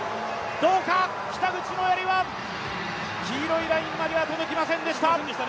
北口のやりは黄色いラインまでは届きませんでした。